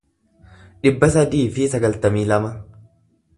dhibba sadii fi sagaltamii lama